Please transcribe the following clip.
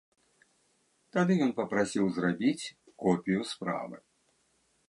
Тады ён папрасіў зрабіць копію справы.